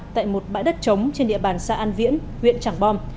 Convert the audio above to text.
tại một bãi đất trống trên địa bàn xã an viễn huyện trảng bom